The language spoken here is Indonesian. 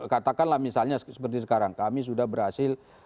katakanlah misalnya seperti sekarang kami sudah berhasil